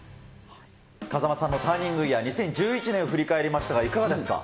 風間さんのターニングイヤー、２０１１年、振り返りましたが、いかがですか。